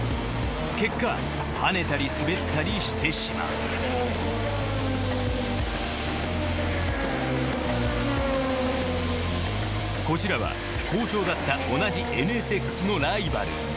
結果跳ねたり滑ったりしてしまうこちらは好調だった同じＮＳＸのライバル。